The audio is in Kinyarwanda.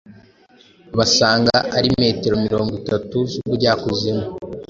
basanga ari metero mirongo itatu z’ubujyakuzimu